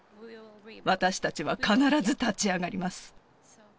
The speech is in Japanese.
私たちは必ず立ち上がります。